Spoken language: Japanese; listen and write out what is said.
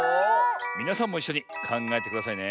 みなさんもいっしょにかんがえてくださいね。